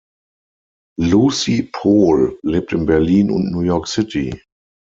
Lucie Pohl lebt in Berlin und New York City.